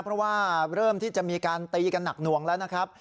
เพราะว่าเริ่มที่จะมีการตีกันหนักหน่วงแล้วนะครับ